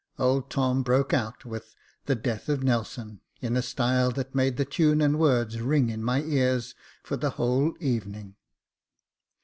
Old Tom broke out with the " Death of Nelson," in a style that made the tune and words ring in my ears for the whole evening.